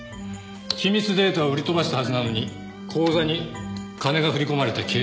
機密データを売り飛ばしたはずなのに口座に金が振り込まれた形跡がない。